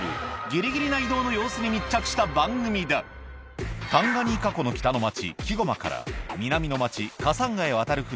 ギリギリな移動の様子に密着した番組だタンガニーカ湖の北の町キゴマから南の町カサンガへ渡る船